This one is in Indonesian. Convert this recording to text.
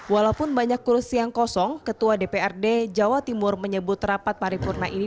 walaupun banyak kursi yang kosong ketua dprd jawa timur menyebut rapat paripurna ini